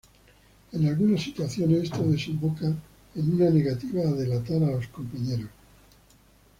En algunas situaciones esto desemboca a una negativa a "delatar" a los compañeros.